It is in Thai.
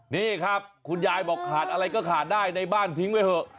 นี่ครับคุณยายบอกขาดอะไรก็ขาดได้ในบ้านทิ้งไว้เถอะ